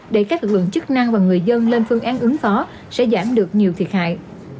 để các lực lượng chức năng và người dân lên phương án ứng phó sẽ giảm được nhiều thiệt hại